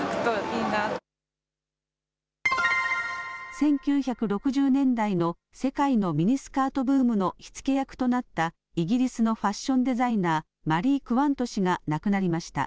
１９６０年代の世界のミニスカートブームの火付け役となったイギリスのファッションデザイナーマリー・クワント氏が亡くなりました。